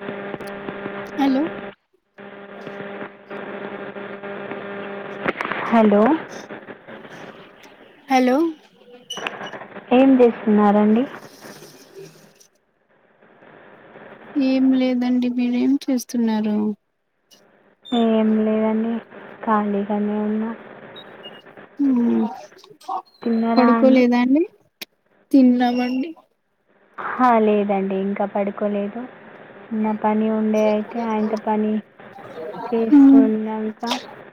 అ hello hello hello ఏం చేస్తున్నారండి ఏం లేదండి మీరు ఏం చేస్తున్నారు కాలిగానే ఉన్నా హుమ్ పడుకోలేదా అండి తిన్నమండి అ లేదండి ఇంక పడుకోలేదు నా పని ఉండే అయితే ఆఇంత పని మ్మ్. తీసుకునంక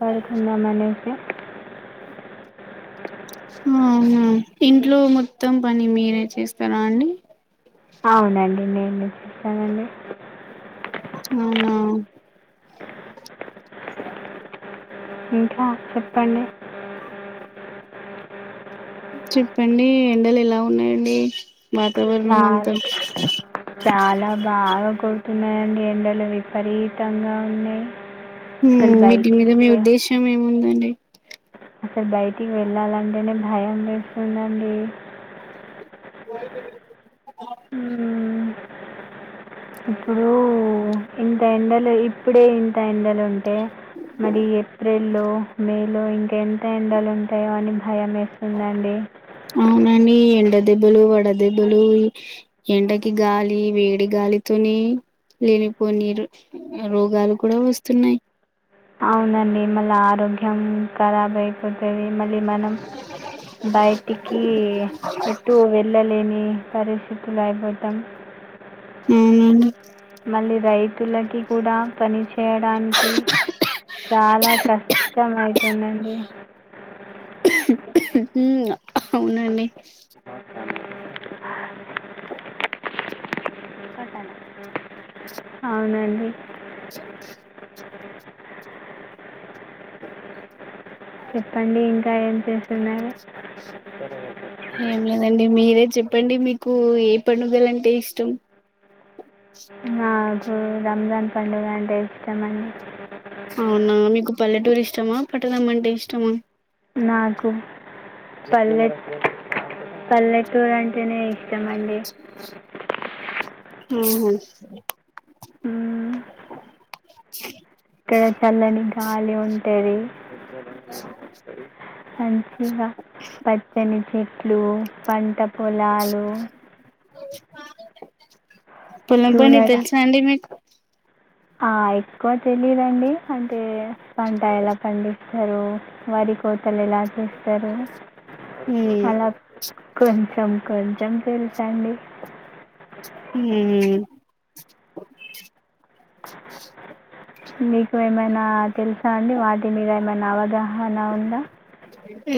పడుకుందంమనే [unintelligible] అవునా ఇంట్లో మొత్తం పని మీరే చేస్తార అండి అవునండి నేనే స్తానండీ అవునా ఇంక చెప్పండి [inaudible] చెప్పండి ఎండలు ఎలా ఉన్నయండి చాలా చాలా బాగా కొడుతు న్నయండి ఎండలు విపరీతంగా ఉన్నాయి అసలు హ్మ్ వీటి మీద బయటికి మీ ఉద్దేశ్యం ఏముందండి డి అసల్ బయటికి వెళ్ళాలంటేనే భయం వేస్తుందండి [inaudible] హ్మ్. ఇప్పుడు ఇంత ఎండలు ఇప్పుడే ఇంత ఎండలు ఉంటె మరి ఏప్రిల్లో మేలో ఇంక ఎంత ఎండలు ఉంటాయో అని భయం వేస్తుందండి వడ దెబ్బలు వడ దెబ్బలు ఎండకి గాలి వేడి గాలితోనే లేనిపోని రోగాలు కూడా వస్తున్నాయి అవునండి మళ్ళ ఆరోగ్యం కరబ్ అయిపోతది మల్లి మనం బయటికి ఎటు వెళ్ళలేని పరిస్థితులు అయిపోతాం అవునండి మళ్ళీ రైతులకి కూడా పనిచే చేయడానికి చాలా కష్టమయుతుందండి హ్మ్ అవునండి అవునండి [inaudible] చెప్పండి ఇంక ఏం చే ఏం లేదు అండి మీరే చెప్పండి మీకు ఏ పండుగలంటే ఇష్టం నాకు రంజాన్ పండుగ అంటే ఇష్టమండి ష్టమా పట్టణంమంటే ఇష్టమా నాకు పల్లెట్ పల్లెటూరు అంటేనే ఇష్ట ష్టమండి హ్మ్ హు అక్కడ చల్లని గాలి ఉంటది మంచిగ పచ్చని చె ట్లు పంట పొలాలు పొలం పని చూడడా తెల్సా అండి మీకు ఆ ఎక్కువ తెలియదండి అంటే పంట ఎలా పండి స్తరు వరి కో లు ఎలా చేస్తారు ఉమ్ అలా కొంచం కొంచం [unintelligible] హు మీకు ఏమైనా తెలుసా అండి వాటి మీద ఏమైనా అవగాహన ఉందా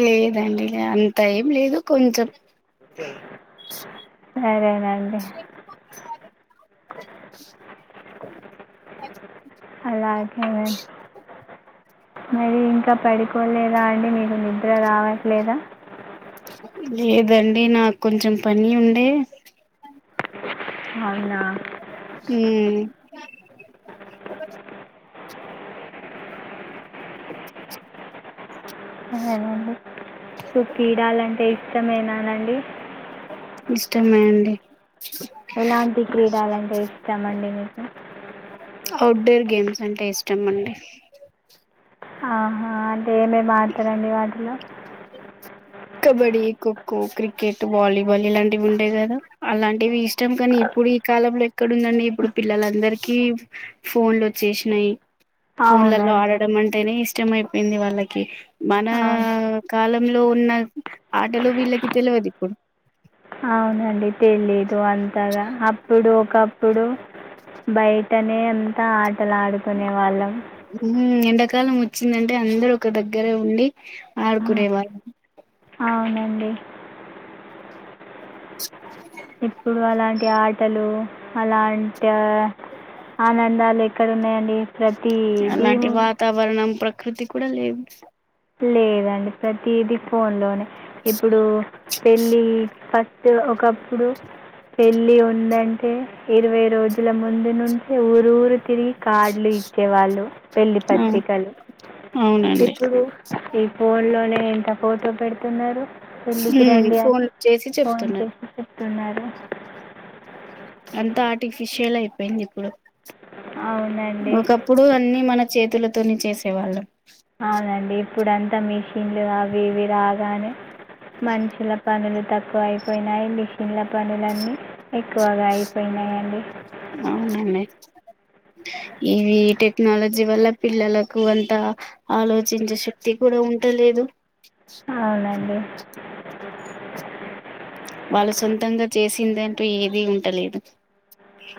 లేదండి అంత ఏం లేదు కొంచెం సే సరేనండి అలాగేనండి మరి ఇంకా పడుకోలే దా అండి మీకు నిద్ర రావట్లేదా లేదండి నాకు కొంచెం పని ఉండే అవునా హుమ్మ్ సరేనండి ను కీడాలంటే ఇష్టమేనానండి ఇష్టమే అండి ఎలాంటి క్రీడలంటే ఇష్టం అండి మీకు అవుట్డోర్ గేమ్స్ అంటే ఇష్టమండి ఆ అంటే ఏమేమి ఆడతారండి వాటిలో కబడ్డీ ఖోఖో క్రికెట్ వాలీబాల్ ఇలాంటివి ఉండేగదా అలాంటివి ఇష్టం కానీ ఇప్పుడు ఈ కాలంలో ఎక్కడుందండి ఇప్పుడు పిల్లలందరికిీ ఫోన్లు వచ్చేసినాయి ఫోన్లళ్ళో అవునండి ఆడడం అంటేనే ఇష్ ఇష్టం అయిపోయింది వాళ్ళకి మన అవును కాల లో ఉన్న ఆటలు వీళ్లకి తెలువది ఇప్పుడు అవునండి తెలియదు అంతగా అప్పుడు ఒకప్పుడు బయటనే అంతా ఆటలాడు కొనేవాళ్ళం ఉమ్, ఎండాకాలం వచ్చిందంటే అందరు ఒక దగ్గరే ఉండి ఆడుకునే వాళ్ అవునండి ఇప్పుడు అలాంటి ఆటలు అలాంటి ఆ ఆనందాలు ఎక్కడున్నాయండి అలాంటి ప్రతిదీ వాతావరణం ప్ర కృతి కూడా లేవు లేదండి ప్రతిదిీ ఫోన్లోనే ఇప్పుడు పెళ్ళి ఫస్ స్ట్ ఒకప్పుడు పెళ్ళి ఉందంటే ఇరవై రోజుల ముందు నుంచె ఊర్ రూరు తిరిగి కార్డులు ఇచ్చేవాళ్ళు పెళ్లి ఆ, పత్రికలు అవునండి ఇప్పుడు ఈ ఫోన్ లోనే ఎంత ఫోటో పెడుతున్నారు పెళ్ళికి మ్మ్ ఫోన్ చేసి చెప్తున్నా తున్నారు అంత ఆర్టిఫిషియల్ అయిపోయిందిప్పుడు అవునండి ఒకప్పుడు అన్నీ మన చేతుల తోని చేసేవాళ్ళం అవునండి ఇప్పుడు అంతా మిషిన్లు అవి ఇవి రాగానే మనిషిల పనులు తక్కువ అయిపోయినాయి మిషన్ల పనులన్నీ ఎక్కువగా అయిపోయినాయండి అవునండి ఇవి టెక్నాలజీ వల్ల పిల్లలకు అంత ఆలోచించే శక్తి కూడా ఉంటలేదు అవునండి వాళ్ళు సొంతంగా చేసిందంటూ ఏదీ ఉంటలేదు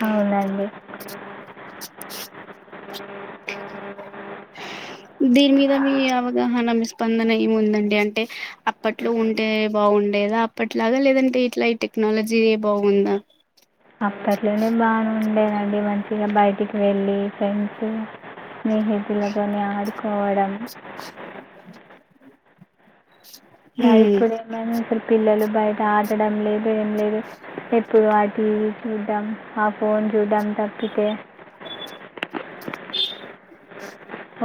అవునండి దీని మీద మీ అవగాహన మీ స్పందన ఏముందండి అంటే అప్పట్లో ఉంటే బావుండేదా అప్పట్ ఇట్లాగా లేదంటే ఇట్లా ఈ టెక్నాలజీ ఏ బాగుందా అప్పట్లోనే బావుండె అండి మంచిగా బయటికి వెళ్ళి ఫ్రెండ్స్ స్నేహితులతోని ఆడుకోవడం [inaudible] హ్మ్ [unintelligible] పిల్లలు బయట ఆడడం లేదు ఏం లేదు ఎప్పుడు ఆ టీవీ చూడ్డం ఆ ఫోన్ చూడ్డం తప్పితే ఏ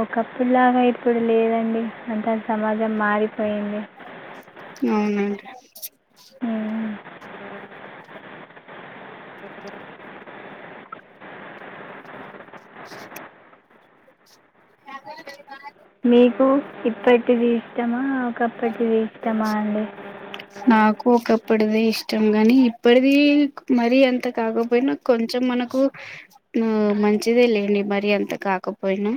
ఒకప్పుడు లాగా ఇప్పుడు లేదండి అంతా సమాజం మారిపోయింది అవునండి మ్మ్. [inaudible] అ మీకు ఇప్పటిది ఇష్టమా ఒకప్పటిది ఇష్టమా అండి ప్పుటిది ఇష్టం గాని ఇప్పటిది మరీ ఎంత కాకపోయినా కొంచెం మనకు ఆ మంచిదే లేండి మరీ ఎంత కాకపోయినా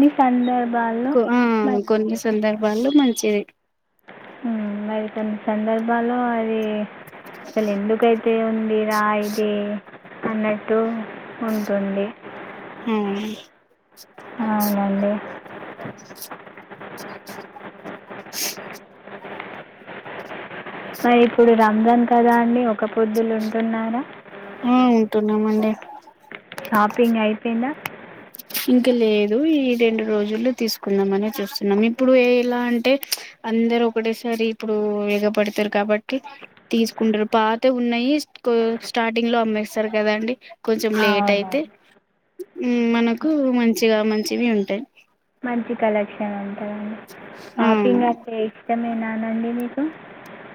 మీకందర్ [unintelligible] ఆ కొన్ని సందర్భాల్లో మంచిది ఉమ్ మరి కొన్ని సందర్ బాలో ఐ ఇ అసలు ఎందుకైతే ఉంది రా ఇది అన్నట్టు ఉంటుంది హుమ్ అవునండి ఆ ఇప్పుడు రా రంజాన్ కదా అండి ఒక్క పొద్దులు ఉంటున్నారా ఉంటున్నాం అండి. షాపింగ్ అయిపోయిందా ఇంకా లేదు ఈ రెండు రోజులు తీసుకుందాం అని చూస్తున్నాం ఇప్పుడు ఎలా అంటే అందరు ఒకటేసారి ఇప్పుడు ఎగపడతారు కాబట్టి తీసుకుంటారు పాతవి ఉన్నాయి స్టార్టింగ్ లో అమ్మేస్తారు కదండి. కొంచెం లేట్ అయితే మ్మ్ మన కు మంచిగా మంచివి ఉంటాయి. మంచి కలెక్షన్ అండి. అవును షాపింగ్ అంటే ఇష్టమేనానండి మీకు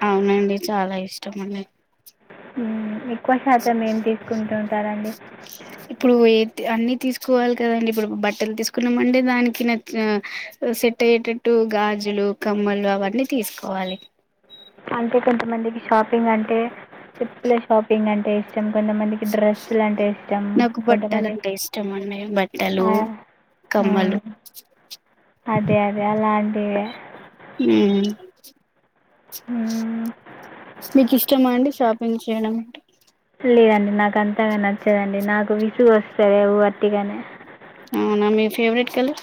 అవునండి చాలా ఇష్టం అండి. మ్మ్ ఎక్కువ శాతం ఏం తీసుకుంటుంటారండి. ఇప్పుడు ఏ అన్ని తీసుకోవాలి కదండి. ఇప్పుడు బట్టలు తీసుకున్నామంటే దానికి నచ్చ సెట్ అయ్యేటట్టు గాజులు, కమ్మలు అవన్నీ తీసుకోవాలి. అంటే కొంతమందికి షాపింగ్ అంటే చెప్పులే షాపింగ్ అంటే కొంది మందికి డ్రస్సులంటే ఇష్టం నాకు కొంత బట్టలు మంది అంటే ఇష్టం అండి బట్టలు ఆ ఆ కమ్మలు అదే అదే అలా [inaudible] మ్మ్ హ్మ్. మీకు ఇష్టమా అండి షాపింగ్ చేయడం లేదండి నాకు అంతగా నచ్చదండి నాకు విసుగు వస్తది వట్టిగానే అవునా మీ ఫేవరెట్ కలర్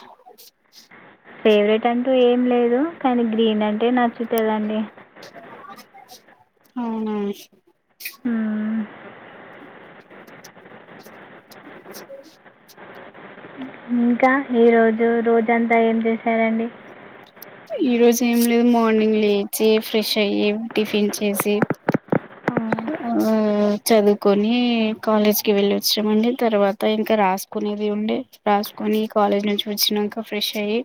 ఫేవరెట్ అంటూ ఏం లేదు కానీ గ్రీన్ అంటే నచ్చుతదండి. అవునా మ్మ్ ఇంకా ఈరోజు రోజంతా ఏం చేశారండి. ఈ రోజు ఏం లేదు మార్నింగ్ లేచి ఫ్రెష్ అయ్యి, టిఫిన్ చేసి, ఆ, ఆ చదువుకొని కాలేజ్కి వెళ్లిి వచ్చామండి తర్వాత ఇంకా రాసుకునేది ఉండే రాసుకొని కాలేజ్ నుంచి వచ్చినాక ఫ్రెష్ అయ్యి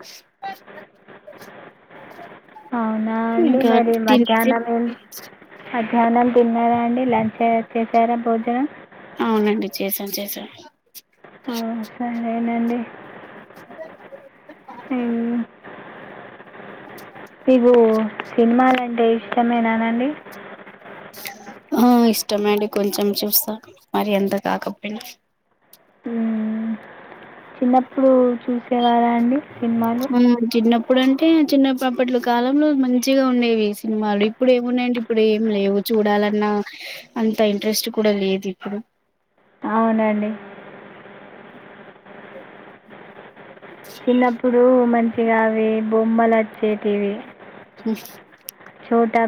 ఏవండీ ఇంకా మరి తినేసి మధ్యాహ్నం ఏం మధ్యానం తిన్నారా అండి లంచ్ అయ్యాక చేసారా భోజనం అవునండి చేసాం చేసాం సర్లేనండి సినిమాలంటే ఇష్టమేనానండి ఆ ఇష్టమే అండి కొంచెం చూస్తా మరి అంత కాకపోయినా హ్మ్. చిన్నప్పుడు చూసా మ్మ్ చిన్న ఇప్పుడుంటే చిన్నప్పట్లో అప్పట్లో కాలంలో మంచిగా ఉండేవి సినిమాలు. ఇప్పుడు ఏమున్నాయంటే ఇప్పుడు ఏం లేవు చూడాలన్నా అంత ఇంట్రెస్ట్ కూడా లేదు ఇప్పుడు అవునండి చిన్నప్పుడు మంచి గా అవి బొమ్మలు అచ్చేటివి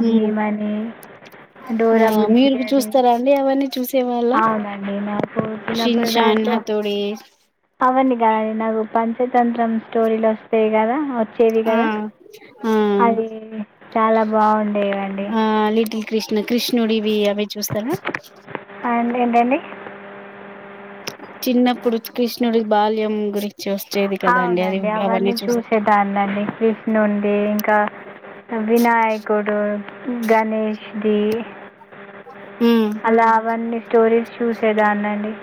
భీమ్' అని, ఆ 'డోరా బుజ్జి' మీరు అని. చూస్తారా అండి అవన్నీ చూసేవాళ్ళ అవునండి నాకు చిినప్పుడు షిన్షాన్ దాంట్లో హతోడి అవండి కాదండి నాకు పంచ తంత్రం స్టోరీలు వస్తాయి కదా వచ్చేది ఆ కదా ఆ అది చాలా బాగుండేవండి కృష్ణుడి ఇవి అవి చూస్తారా అ అండి ఏంటండి చిన్నపుడు కృష్ణుడి బాల్యం గురించి వచ్చేది కదండి అది అవునండి అవన్నని అవన్నీ చూస్త చూసేదాన్నిండి కృష్ణుంది కా వినాయకుడు గణేష్ ది ఉమ్, అలా అవన్నీ స్టోరీస్ చూసేదన్నండి